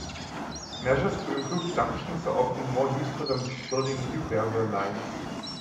Measures to improve junctions are often more useful than building new railway lines.